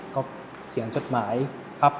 ก็เขียนจดหมายครับ